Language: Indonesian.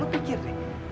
lo pikir deh